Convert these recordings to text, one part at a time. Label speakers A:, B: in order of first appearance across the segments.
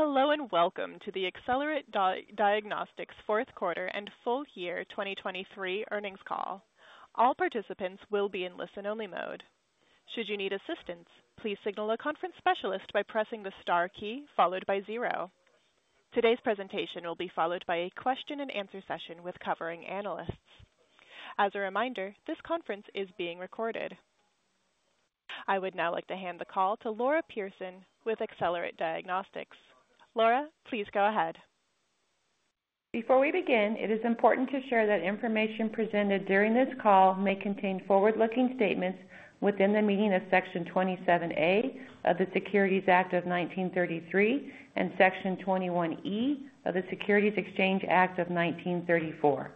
A: Hello and welcome to the Accelerate Diagnostics Q4 and full year 2023 earnings call. All participants will be in listen-only mode. Should you need assistance, please signal a conference specialist by pressing the star key followed by 0. Today's presentation will be followed by a question-and-answer session with covering analysts. As a reminder, this conference is being recorded. I would now like to hand the call to Laura Pierson with Accelerate Diagnostics. Laura, please go ahead.
B: Before we begin, it is important to share that information presented during this call may contain forward-looking statements within the meaning of Section 27A of the Securities Act of 1933 and Section 21E of the Securities Exchange Act of 1934.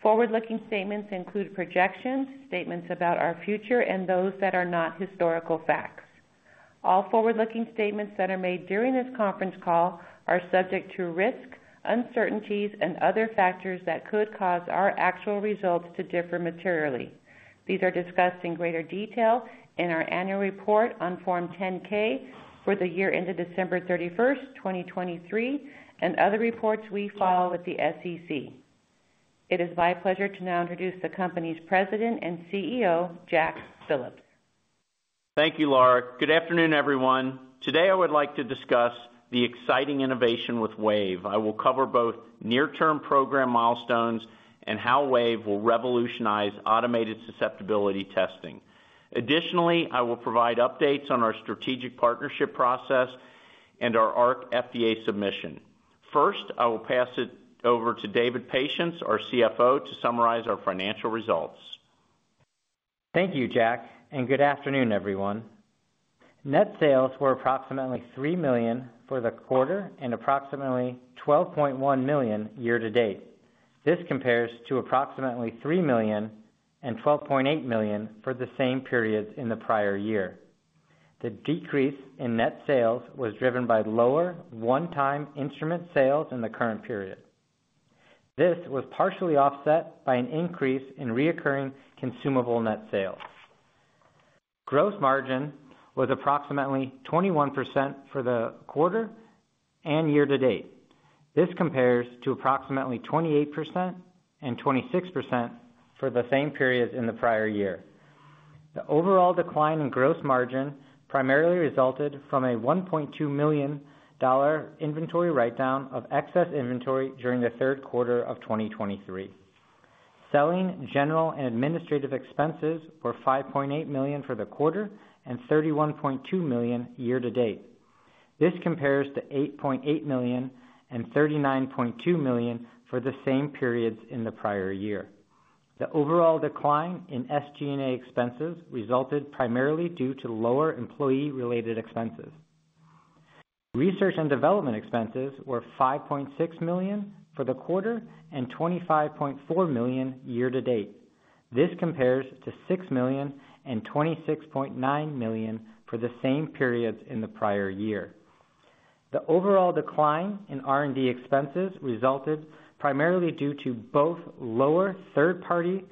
B: Forward-looking statements include projections, statements about our future, and those that are not historical facts. All forward-looking statements that are made during this conference call are subject to risk, uncertainties, and other factors that could cause our actual results to differ materially. These are discussed in greater detail in our annual report on Form 10-K for the year ended December 31st, 2023, and other reports we file with the SEC. It is my pleasure to now introduce the company's president and CEO, Jack Phillips.
C: Thank you, Laura. Good afternoon, everyone. Today I would like to discuss the exciting innovation with WAVE. I will cover both near-term program milestones and how WAVE will revolutionize automated susceptibility testing. Additionally, I will provide updates on our strategic partnership process and our ARC FDA submission. First, I will pass it over to David Patience, our CFO, to summarize our financial results.
D: Thank you, Jack, and good afternoon, everyone. Net sales were approximately $3 million for the quarter and approximately $12.1 million year to date. This compares to approximately $3 million and $12.8 million for the same period in the prior year. The decrease in net sales was driven by lower one-time instrument sales in the current period. This was partially offset by an increase in recurring consumable net sales. Gross margin was approximately 21% for the quarter and year to date. This compares to approximately 28% and 26% for the same period in the prior year. The overall decline in gross margin primarily resulted from a $1.2 million inventory write-down of excess inventory during the Q3 of 2023. Selling general and administrative expenses were $5.8 million for the quarter and $31.2 million year to date. This compares to $8.8 million and $39.2 million for the same periods in the prior year. The overall decline in SG&A expenses resulted primarily due to lower employee-related expenses. Research and development expenses were $5.6 million for the quarter and $25.4 million year to date. This compares to $6 million and $26.9 million for the same periods in the prior year. The overall decline in R&D expenses resulted primarily due to both lower third-party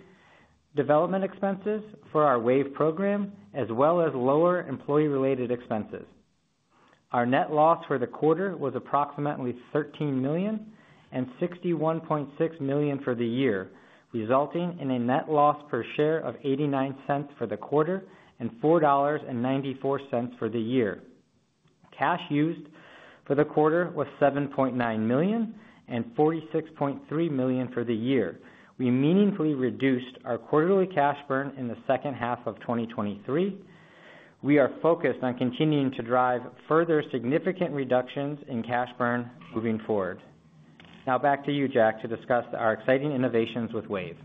D: development expenses for our WAVE program as well as lower employee-related expenses. Our net loss for the quarter was approximately $13 million and $61.6 million for the year, resulting in a net loss per share of $0.89 for the quarter and $4.94 for the year. Cash used for the quarter was $7.9 million and $46.3 million for the year. We meaningfully reduced our quarterly cash burn in the second half of 2023. We are focused on continuing to drive further significant reductions in cash burn moving forward. Now back to you, Jack, to discuss our exciting innovations with WAVE.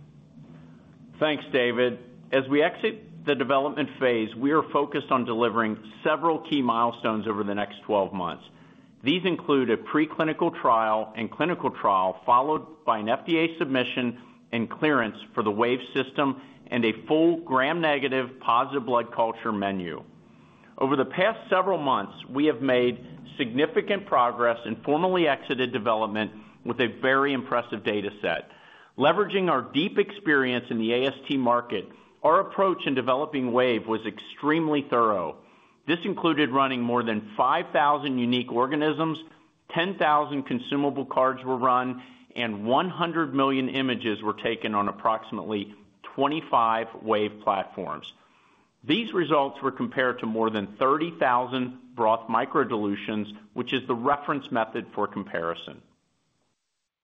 C: Thanks, David. As we exit the development phase, we are focused on delivering several key milestones over the next 12 months. These include a preclinical trial and clinical trial followed by an FDA submission and clearance for the WAVE system and a full Gram-negative positive blood culture menu. Over the past several months, we have made significant progress in formally exited development with a very impressive data set. Leveraging our deep experience in the AST market, our approach in developing WAVE was extremely thorough. This included running more than 5,000 unique organisms, 10,000 consumable cards were run, and 100,000,000 images were taken on approximately 25 WAVE platforms. These results were compared to more than 30,000 broth microdilutions, which is the reference method for comparison.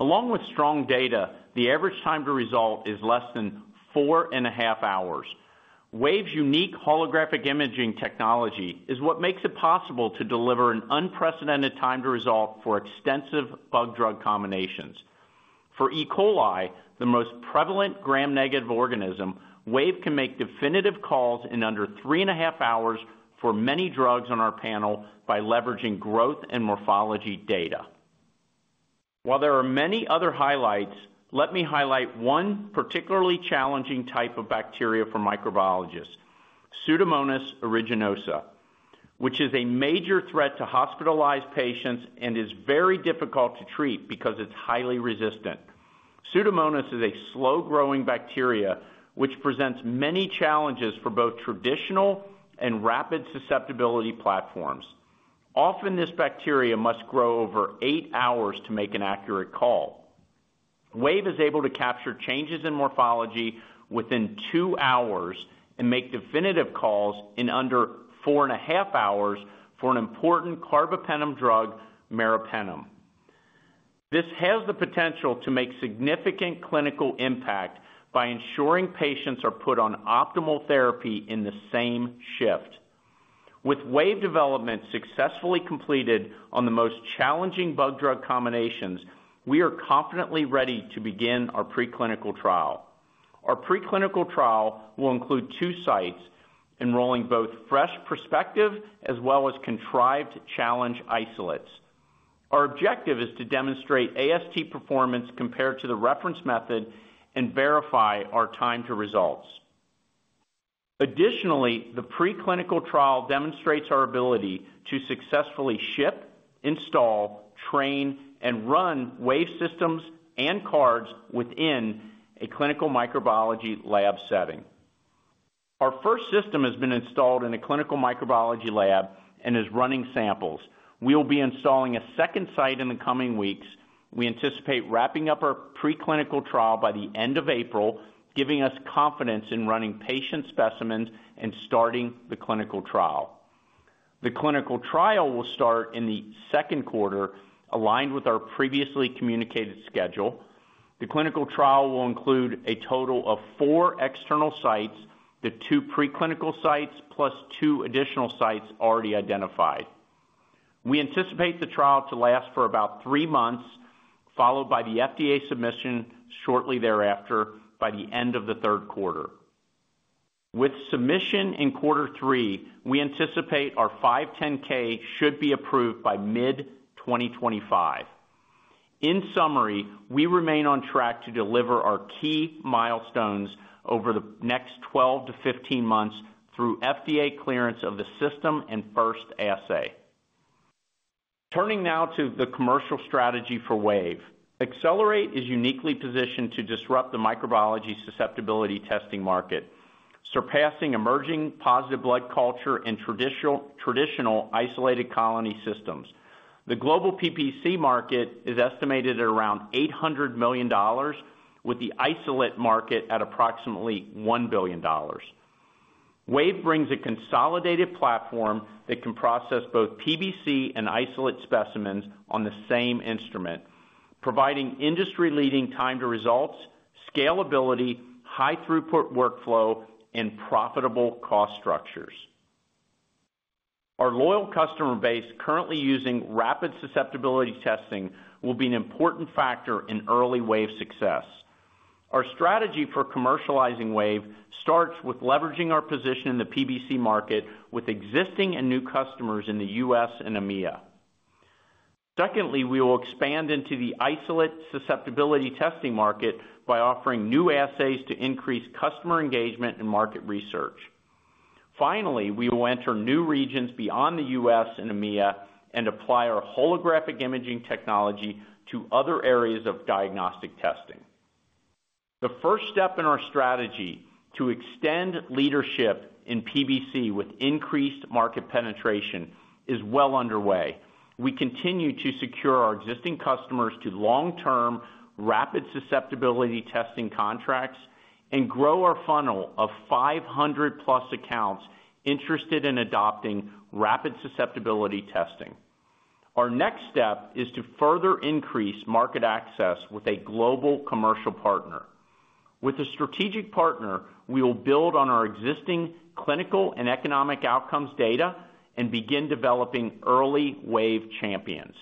C: Along with strong data, the average time to result is less than 4.5 hours. WAVE's unique holographic imaging technology is what makes it possible to deliver an unprecedented time to result for extensive bug-drug combinations. For E. coli, the most prevalent Gram-negative organism, WAVE can make definitive calls in under 3.5 hours for many drugs on our panel by leveraging growth and morphology data. While there are many other highlights, let me highlight one particularly challenging type of bacteria for microbiologists, Pseudomonas aeruginosa, which is a major threat to hospitalized patients and is very difficult to treat because it's highly resistant. Pseudomonas is a slow-growing bacteria which presents many challenges for both traditional and rapid susceptibility platforms. Often, this bacteria must grow over 8 hours to make an accurate call. WAVE is able to capture changes in morphology within 2 hours and make definitive calls in under 4.5 hours for an important carbapenem drug, meropenem. This has the potential to make significant clinical impact by ensuring patients are put on optimal therapy in the same shift. With WAVE development successfully completed on the most challenging bug-drug combinations, we are confidently ready to begin our preclinical trial. Our preclinical trial will include two sites enrolling both fresh prospective as well as contrived challenge isolates. Our objective is to demonstrate AST performance compared to the reference method and verify our time to results. Additionally, the preclinical trial demonstrates our ability to successfully ship, install, train, and run WAVE systems and cards within a clinical microbiology lab setting. Our first system has been installed in a clinical microbiology lab and is running samples. We will be installing a second site in the coming weeks. We anticipate wrapping up our preclinical trial by the end of April, giving us confidence in running patient specimens and starting the clinical trial. The clinical trial will start in the Q2 aligned with our previously communicated schedule. The clinical trial will include a total of 4 external sites, the 2 preclinical sites plus 2 additional sites already identified. We anticipate the trial to last for about 3 months, followed by the FDA submission shortly thereafter by the end of the Q3. With submission in quarter three, we anticipate our 510(k) should be approved by mid-2025. In summary, we remain on track to deliver our key milestones over the next 12-15 months through FDA clearance of the system and first assay. Turning now to the commercial strategy for WAVE. Accelerate is uniquely positioned to disrupt the microbiology susceptibility testing market, surpassing emerging positive blood culture and traditional isolated colony systems. The global PBC market is estimated at around $800 million, with the isolate market at approximately $1 billion. WAVE brings a consolidated platform that can process both PBC and isolate specimens on the same instrument, providing industry-leading time to results, scalability, high throughput workflow, and profitable cost structures. Our loyal customer base currently using rapid susceptibility testing will be an important factor in early WAVE success. Our strategy for commercializing WAVE starts with leveraging our position in the PBC market with existing and new customers in the U.S. and EMEA. Secondly, we will expand into the isolate susceptibility testing market by offering new assays to increase customer engagement and market research. Finally, we will enter new regions beyond the U.S. and EMEA and apply our holographic imaging technology to other areas of diagnostic testing. The first step in our strategy to extend leadership in PBC with increased market penetration is well underway. We continue to secure our existing customers to long-term rapid susceptibility testing contracts and grow our funnel of 500+ accounts interested in adopting rapid susceptibility testing. Our next step is to further increase market access with a global commercial partner. With a strategic partner, we will build on our existing clinical and economic outcomes data and begin developing early WAVE champions.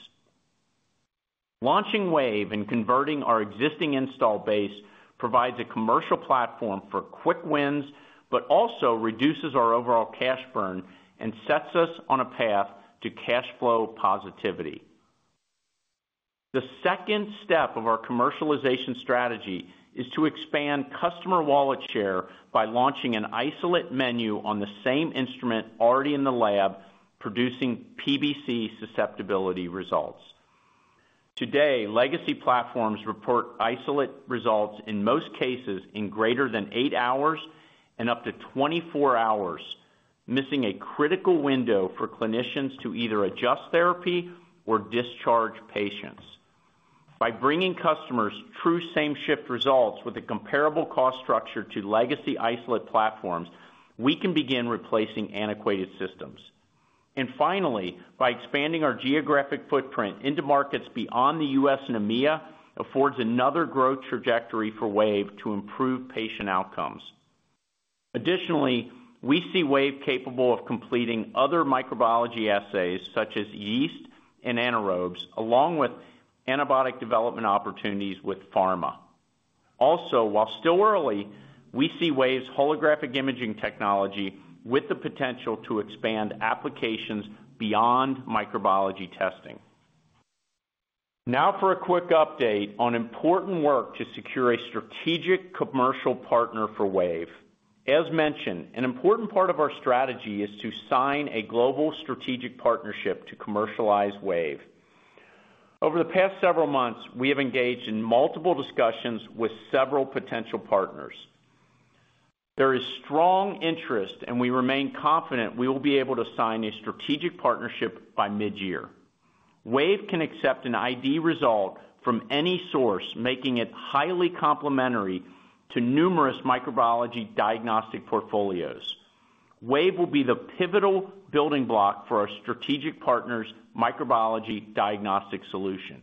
C: Launching WAVE and converting our existing installed base provides a commercial platform for quick wins but also reduces our overall cash burn and sets us on a path to cash flow positivity. The second step of our commercialization strategy is to expand customer wallet share by launching an isolate menu on the same instrument already in the lab, producing PBC susceptibility results. Today, legacy platforms report isolate results in most cases in greater than 8 hours and up to 24 hours, missing a critical window for clinicians to either adjust therapy or discharge patients. By bringing customers true same-shift results with a comparable cost structure to legacy isolate platforms, we can begin replacing antiquated systems. And finally, by expanding our geographic footprint into markets beyond the U.S. and EMEA, affords another growth trajectory for WAVE to improve patient outcomes. Additionally, we see WAVE capable of completing other microbiology assays such as yeast and anaerobes, along with antibiotic development opportunities with pharma. Also, while still early, we see WAVE's holographic imaging technology with the potential to expand applications beyond microbiology testing. Now for a quick update on important work to secure a strategic commercial partner for WAVE. As mentioned, an important part of our strategy is to sign a global strategic partnership to commercialize WAVE. Over the past several months, we have engaged in multiple discussions with several potential partners. There is strong interest, and we remain confident we will be able to sign a strategic partnership by mid-year. WAVE can accept an ID result from any source, making it highly complementary to numerous microbiology diagnostic portfolios. WAVE will be the pivotal building block for our strategic partner's microbiology diagnostic solution.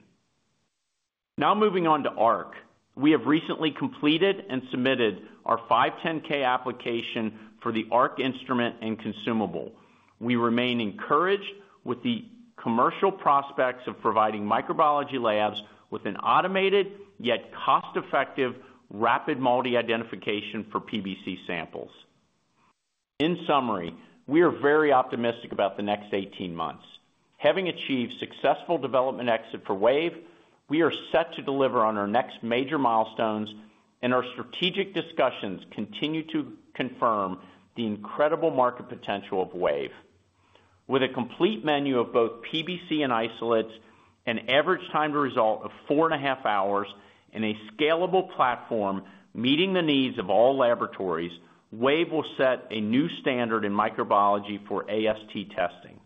C: Now moving on to ARC. We have recently completed and submitted our 510(k) application for the ARC instrument and consumable. We remain encouraged with the commercial prospects of providing microbiology labs with an automated yet cost-effective rapid multi-identification for PBC samples. In summary, we are very optimistic about the next 18 months. Having achieved successful development exit for WAVE, we are set to deliver on our next major milestones, and our strategic discussions continue to confirm the incredible market potential of WAVE. With a complete menu of both PBC and isolates and average time to result of 4.5 hours and a scalable platform meeting the needs of all laboratories, WAVE will set a new standard in microbiology for AST testing.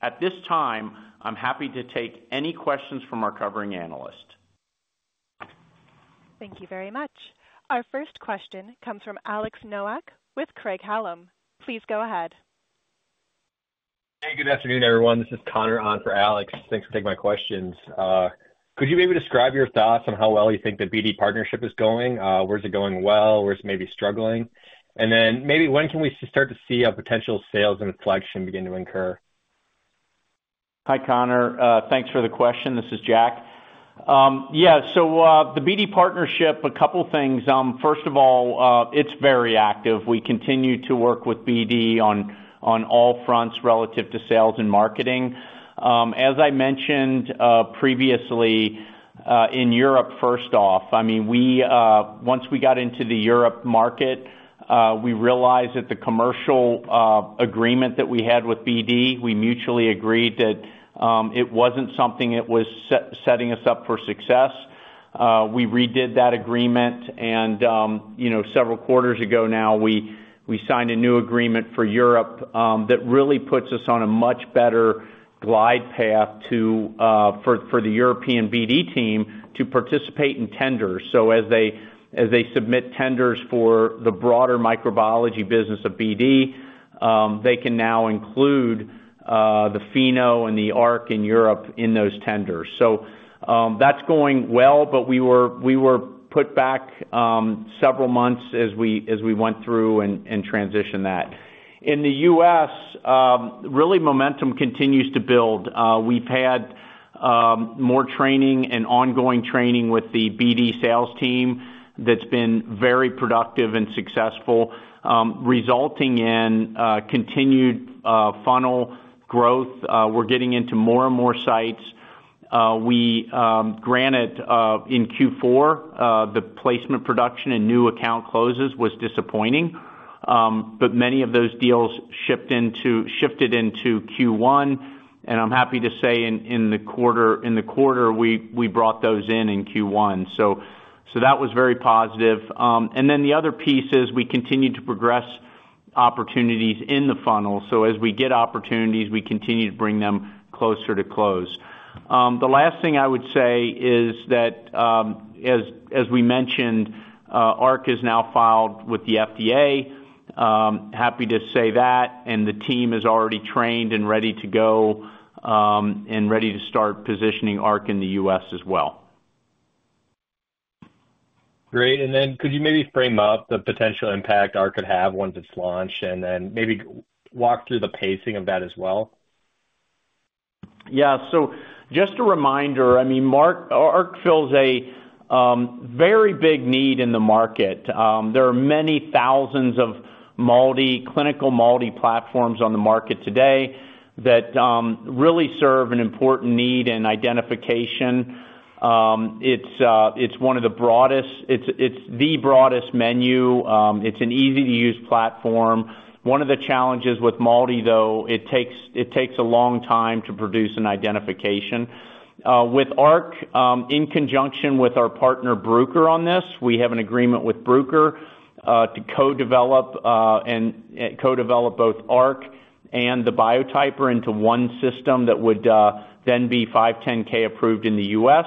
C: At this time, I'm happy to take any questions from our covering analyst.
A: Thank you very much. Our first question comes from Alex Nowak with Craig-Hallum. Please go ahead.
E: Hey, good afternoon, everyone. This is Connor on for Alex. Thanks for taking my questions. Could you maybe describe your thoughts on how well you think the BD partnership is going? Where's it going well? Where's it maybe struggling? And then maybe when can we start to see a potential sales inflection begin to incur?
C: Hi, Connor. Thanks for the question. This is Jack. Yeah, so the BD partnership, a couple of things. First of all, it's very active. We continue to work with BD on all fronts relative to sales and marketing. As I mentioned previously in Europe, first off, I mean, once we got into the Europe market, we realized that the commercial agreement that we had with BD, we mutually agreed that it wasn't something that was setting us up for success. We redid that agreement, and several quarters ago now, we signed a new agreement for Europe that really puts us on a much better glide path for the European BD team to participate in tenders. So as they submit tenders for the broader microbiology business of BD, they can now include the Pheno and the ARC in Europe in those tenders. So that's going well, but we were put back several months as we went through and transitioned that. In the U.S., really, momentum continues to build. We've had more training and ongoing training with the BD sales team that's been very productive and successful, resulting in continued funnel growth. We're getting into more and more sites. We granted, in Q4, the placement production and new account closes was disappointing, but many of those deals shifted into Q1, and I'm happy to say in the quarter, we brought those in in Q1. So that was very positive. And then the other piece is we continue to progress opportunities in the funnel. So as we get opportunities, we continue to bring them closer to close. The last thing I would say is that, as we mentioned, ARC is now filed with the FDA. Happy to say that. The team is already trained and ready to go and ready to start positioning ARC in the U.S. as well.
E: Great. Then could you maybe frame up the potential impact ARC could have once it's launched and then maybe walk through the pacing of that as well?
C: Yeah. So just a reminder, I mean, ARC fills a very big need in the market. There are many thousands of clinical multi-platforms on the market today that really serve an important need in identification. It's one of the broadest. It's the broadest menu. It's an easy-to-use platform. One of the challenges with multi, though, it takes a long time to produce an identification. With ARC, in conjunction with our partner Bruker on this, we have an agreement with Bruker to co-develop both ARC and the Biotyper into one system that would then be 510(k) approved in the U.S.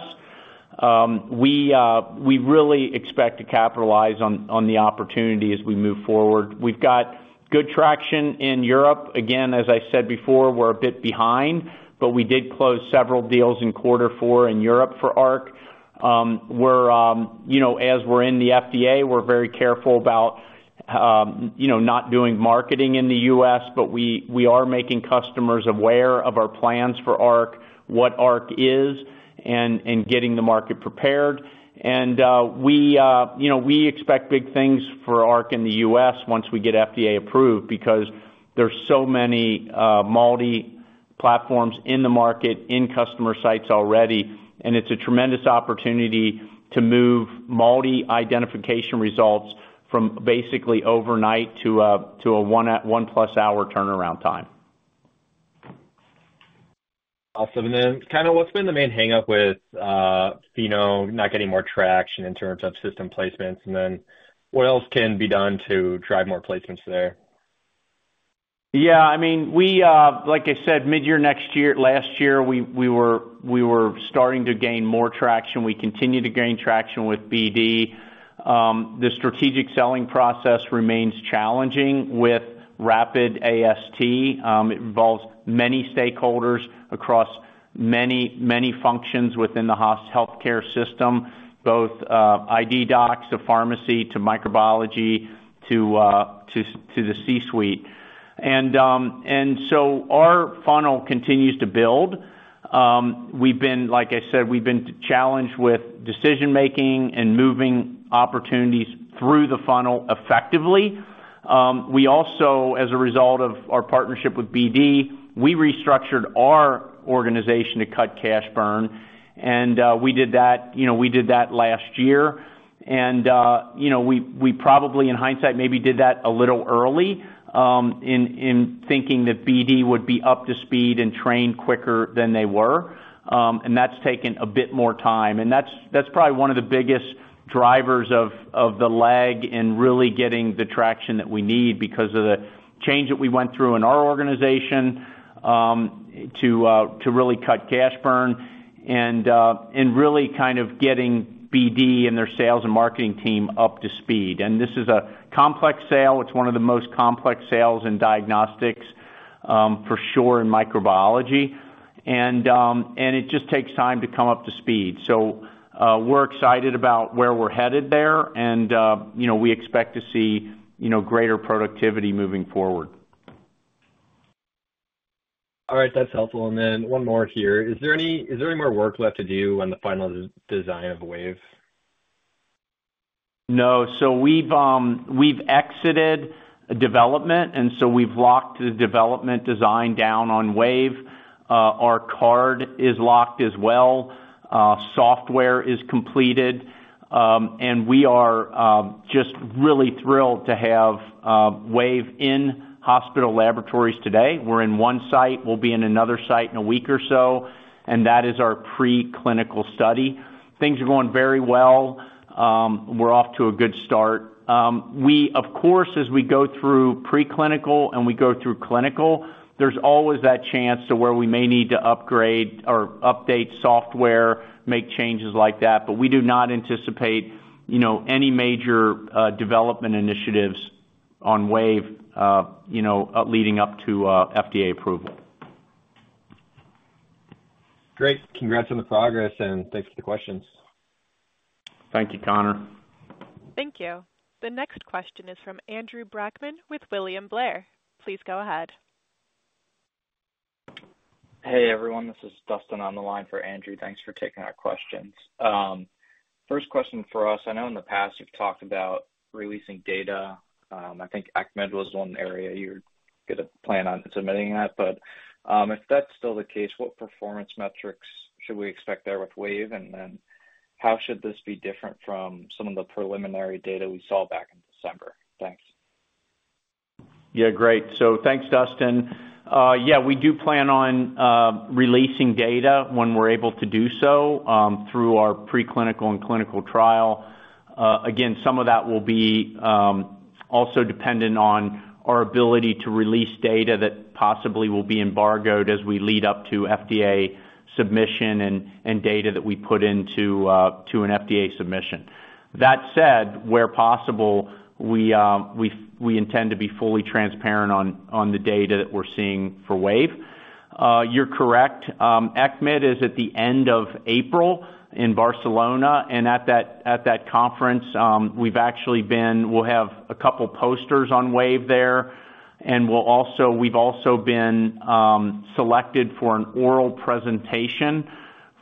C: We really expect to capitalize on the opportunity as we move forward. We've got good traction in Europe. Again, as I said before, we're a bit behind, but we did close several deals in quarter four in Europe for ARC. As we're in the FDA, we're very careful about not doing marketing in the U.S., but we are making customers aware of our plans for ARC, what ARC is, and getting the market prepared. We expect big things for ARC in the U.S. once we get FDA approved because there's so many multi-platforms in the market, in customer sites already, and it's a tremendous opportunity to move multi-identification results from basically overnight to a 1+-hour turnaround time.
E: Awesome. And then kind of what's been the main hangup with Pheno, not getting more traction in terms of system placements? And then what else can be done to drive more placements there?
C: Yeah, I mean, like I said, mid-year next year, last year, we were starting to gain more traction. We continue to gain traction with BD. The strategic selling process remains challenging with rapid AST. It involves many stakeholders across many, many functions within the healthcare system, both ID docs to pharmacy to microbiology to the C-suite. And so our funnel continues to build. Like I said, we've been challenged with decision-making and moving opportunities through the funnel effectively. Also, as a result of our partnership with BD, we restructured our organization to cut cash burn, and we did that last year. And we probably, in hindsight, maybe did that a little early in thinking that BD would be up to speed and trained quicker than they were, and that's taken a bit more time. That's probably one of the biggest drivers of the lag in really getting the traction that we need because of the change that we went through in our organization to really cut cash burn and really kind of getting BD and their sales and marketing team up to speed. This is a complex sale. It's one of the most complex sales in diagnostics, for sure, in microbiology. It just takes time to come up to speed. We're excited about where we're headed there, and we expect to see greater productivity moving forward.
E: All right, that's helpful. And then one more here. Is there any more work left to do on the final design of WAVE?
C: No. So we've exited development, and so we've locked the development design down on WAVE. Our card is locked as well. Software is completed. We are just really thrilled to have WAVE in hospital laboratories today. We're in one site. We'll be in another site in a week or so, and that is our preclinical study. Things are going very well. We're off to a good start. Of course, as we go through preclinical and we go through clinical, there's always that chance to where we may need to upgrade or update software, make changes like that, but we do not anticipate any major development initiatives on WAVE leading up to FDA approval.
E: Great. Congrats on the progress, and thanks for the questions.
C: Thank you, Connor.
A: Thank you. The next question is from Andrew Brackman with William Blair. Please go ahead.
F: Hey, everyone. This is Dustin on the line for Andrew. Thanks for taking our questions. First question for us, I know in the past you've talked about releasing data. I think ESCMID was one area you were going to plan on submitting that, but if that's still the case, what performance metrics should we expect there with WAVE, and then how should this be different from some of the preliminary data we saw back in December? Thanks.
C: Yeah, great. So thanks, Dustin. Yeah, we do plan on releasing data when we're able to do so through our preclinical and clinical trial. Again, some of that will be also dependent on our ability to release data that possibly will be embargoed as we lead up to FDA submission and data that we put into an FDA submission. That said, where possible, we intend to be fully transparent on the data that we're seeing for WAVE. You're correct. ACMED is at the end of April in Barcelona, and at that conference, we've actually been. We'll have a couple of posters on WAVE there, and we've also been selected for an oral presentation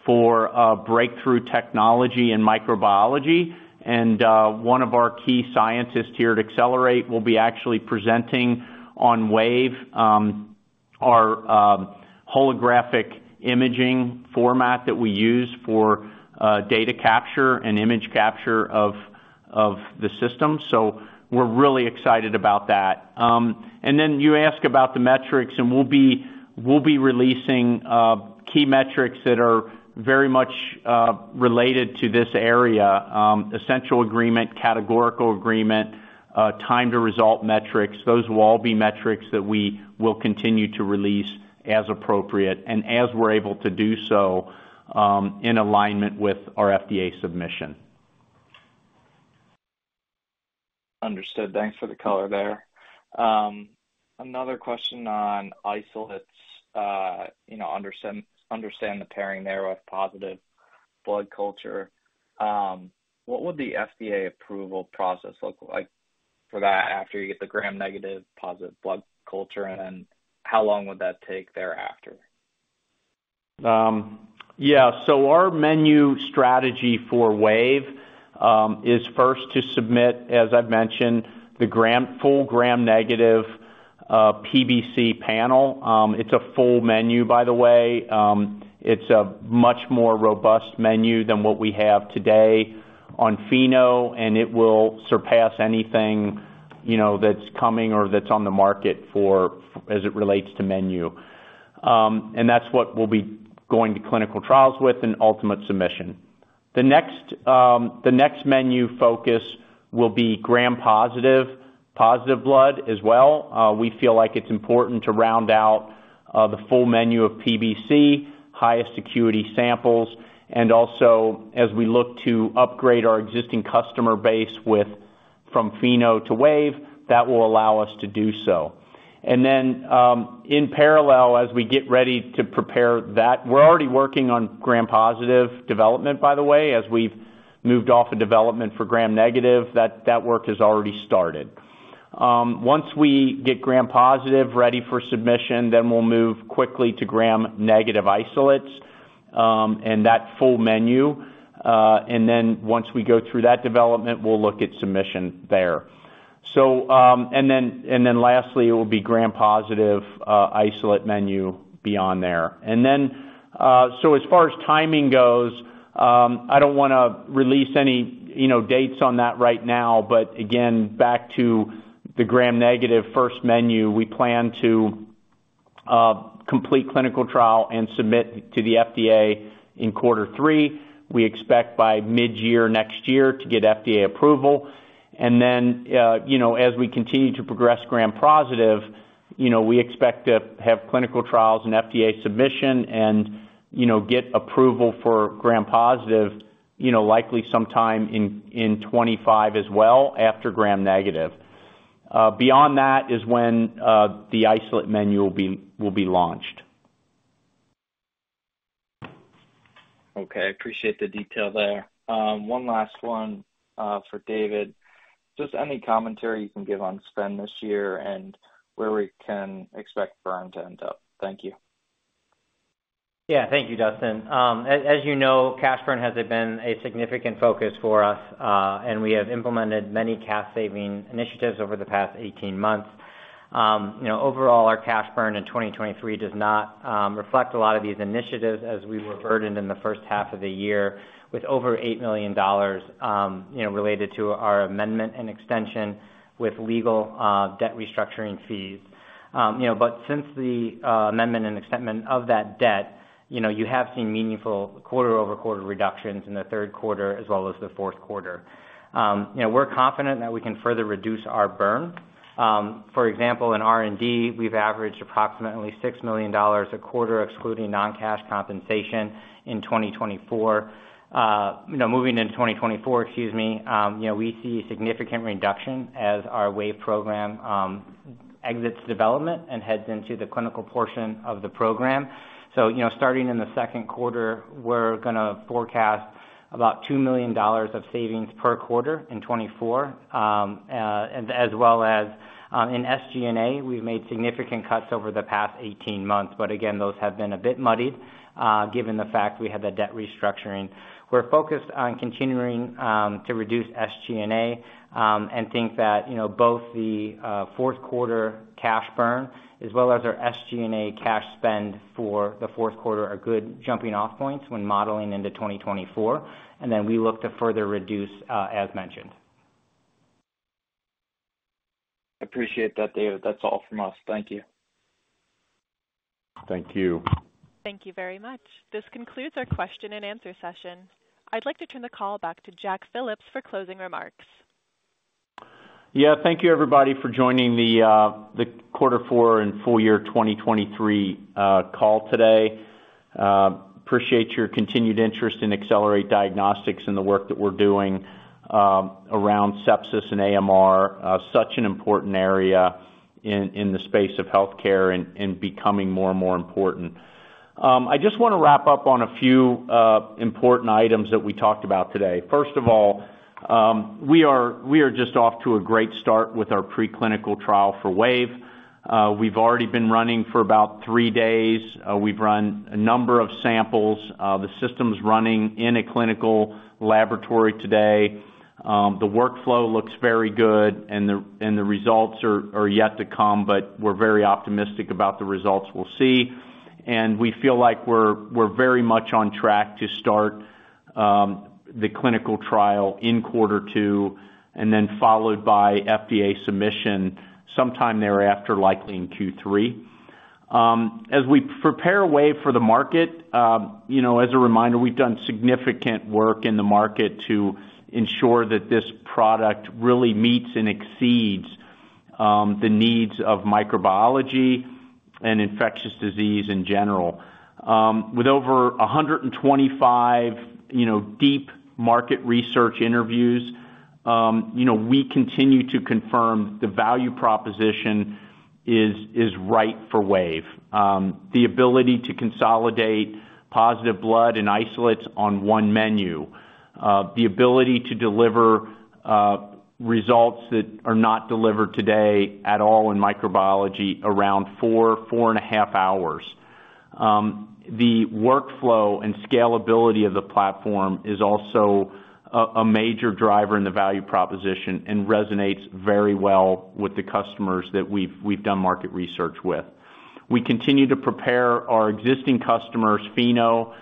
C: for breakthrough technology in microbiology. And one of our key scientists here at Accelerate will be actually presenting on WAVE, our holographic imaging format that we use for data capture and image capture of the system. So we're really excited about that. And then you asked about the metrics, and we'll be releasing key metrics that are very much related to this area: essential agreement, categorical agreement, time to result metrics. Those will all be metrics that we will continue to release as appropriate and as we're able to do so in alignment with our FDA submission.
F: Understood. Thanks for the color there. Another question on isolates, understand the pairing there with positive blood culture. What would the FDA approval process look like for that after you get the Gram-negative positive blood culture, and then how long would that take thereafter?
C: Yeah, so our menu strategy for WAVE is first to submit, as I've mentioned, the full Gram-negative PBC panel. It's a full menu, by the way. It's a much more robust menu than what we have today on PhenO, and it will surpass anything that's coming or that's on the market as it relates to menu. And that's what we'll be going to clinical trials with and ultimate submission. The next menu focus will be Gram-positive blood as well. We feel like it's important to round out the full menu of PBC, highest acuity samples, and also, as we look to upgrade our existing customer base from PhenO to WAVE, that will allow us to do so. And then in parallel, as we get ready to prepare that we're already working on Gram-positive development, by the way. As we've moved off of development for Gram-negative, that work has already started. Once we get Gram-positive ready for submission, then we'll move quickly to Gram-negative isolates and that full menu. And then once we go through that development, we'll look at submission there. And then lastly, it will be Gram-positive isolate menu beyond there. So as far as timing goes, I don't want to release any dates on that right now, but again, back to the Gram-negative first menu, we plan to complete clinical trial and submit to the FDA in quarter three. We expect by mid-year next year to get FDA approval. And then as we continue to progress Gram-positive, we expect to have clinical trials and FDA submission and get approval for Gram-positive, likely sometime in 2025 as well after Gram-negative. Beyond that is when the isolate menu will be launched.
F: Okay, I appreciate the detail there. One last one for David. Just any commentary you can give on spend this year and where we can expect burn to end up. Thank you.
D: Yeah, thank you, Dustin. As you know, cash burn has been a significant focus for us, and we have implemented many cash-saving initiatives over the past 18 months. Overall, our cash burn in 2023 does not reflect a lot of these initiatives as we were burdened in the first half of the year with over $8 million related to our amendment and extension with legal debt restructuring fees. But since the amendment and extension of that debt, you have seen meaningful quarter-over-quarter reductions in the Q3 as well as the Q4. We're confident that we can further reduce our burn. For example, in R&D, we've averaged approximately $6 million a quarter excluding non-cash compensation in 2024. Moving into 2024, excuse me, we see a significant reduction as our WAVE program exits development and heads into the clinical portion of the program. So starting in the Q2, we're going to forecast about $2 million of savings per quarter in 2024, as well as in SG&A, we've made significant cuts over the past 18 months, but again, those have been a bit muddied given the fact we had the debt restructuring. We're focused on continuing to reduce SG&A and think that both the Q4 cash burn as well as our SG&A cash spend for the Q4 are good jumping-off points when modeling into 2024, and then we look to further reduce, as mentioned.
F: I appreciate that, David. That's all from us. Thank you.
C: Thank you.
A: Thank you very much. This concludes our question-and-answer session. I'd like to turn the call back to Jack Phillips for closing remarks.
C: Yeah, thank you, everybody, for joining the quarter four and full year 2023 call today. Appreciate your continued interest in Accelerate Diagnostics and the work that we're doing around sepsis and AMR, such an important area in the space of healthcare and becoming more and more important. I just want to wrap up on a few important items that we talked about today. First of all, we are just off to a great start with our preclinical trial for WAVE. We've already been running for about three days. We've run a number of samples. The system's running in a clinical laboratory today. The workflow looks very good, and the results are yet to come, but we're very optimistic about the results we'll see. We feel like we're very much on track to start the clinical trial in quarter two and then followed by FDA submission sometime thereafter, likely in Q3. As we prepare WAVE for the market, as a reminder, we've done significant work in the market to ensure that this product really meets and exceeds the needs of microbiology and infectious disease in general. With over 125 deep market research interviews, we continue to confirm the value proposition is right for WAVE: the ability to consolidate positive blood and isolates on one menu, the ability to deliver results that are not delivered today at all in microbiology around 4-4.5 hours. The workflow and scalability of the platform is also a major driver in the value proposition and resonates very well with the customers that we've done market research with. We continue to prepare our existing customers, Pheno,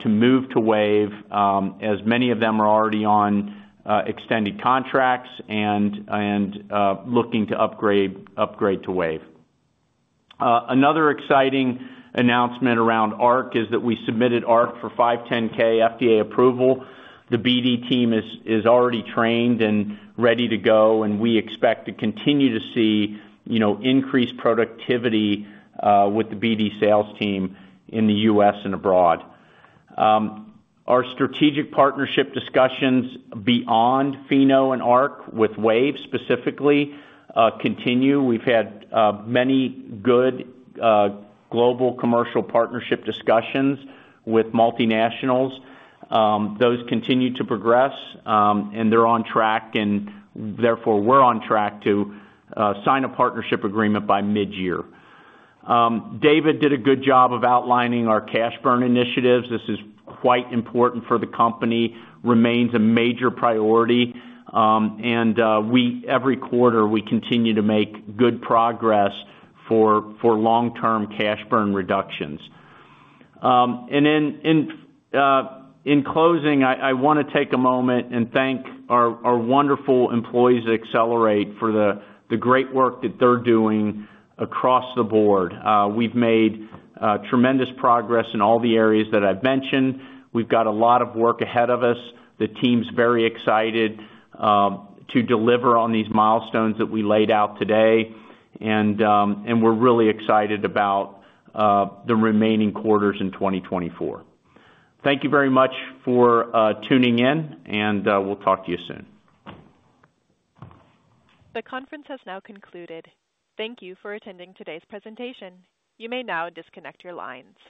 C: to move to Wave as many of them are already on extended contracts and looking to upgrade to Wave. Another exciting announcement around Arc is that we submitted Arc for 510(k) FDA approval. The BD team is already trained and ready to go, and we expect to continue to see increased productivity with the BD sales team in the U.S. and abroad. Our strategic partnership discussions beyond Pheno and Arc with Wave specifically continue. We've had many good global commercial partnership discussions with multinationals. Those continue to progress, and they're on track, and therefore we're on track to sign a partnership agreement by mid-year. David did a good job of outlining our cash burn initiatives. This is quite important for the company, remains a major priority, and every quarter, we continue to make good progress for long-term cash burn reductions. Then in closing, I want to take a moment and thank our wonderful employees at Accelerate for the great work that they're doing across the board. We've made tremendous progress in all the areas that I've mentioned. We've got a lot of work ahead of us. The team's very excited to deliver on these milestones that we laid out today, and we're really excited about the remaining quarters in 2024. Thank you very much for tuning in, and we'll talk to you soon.
B: The conference has now concluded. Thank you for attending today's presentation. You may now disconnect your lines.